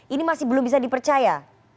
ini masih belum bisa dipercaya